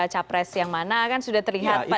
capres yang mana kan sudah terlihat pak